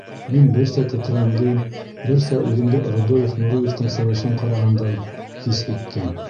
Мин берсә тетрәндем, берсә үҙемде Рудольф Нуриевтың сығышын ҡарағандай хис иттем.